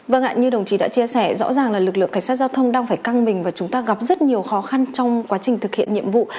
vâng ạ như đồng chí đã chia sẻ rõ ràng là lực lượng cảnh sát giao thông đang phải căng mình và chúng ta gặp rất nhiều khó khăn trong quá trình thực hiện nhiệm vụ